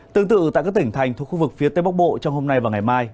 tương tự tại các tỉnh thành thuộc khu vực phía tây bắc bộ trong hôm nay và ngày mai